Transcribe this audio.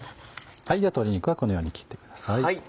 鶏肉はこのように切ってください。